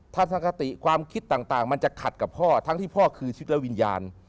ทัศนคติความคิดต่างมันจะขัดกับพ่อทั้งที่พ่อคือชีวิตและวิญญาณ